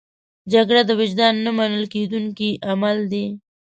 جګړه د وجدان نه منل کېدونکی عمل دی